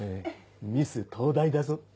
ミス東大だぞ。